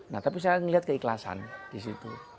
nah tapi saya melihat keikhlasan di situ